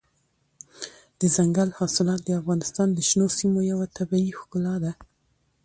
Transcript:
دځنګل حاصلات د افغانستان د شنو سیمو یوه طبیعي ښکلا ده.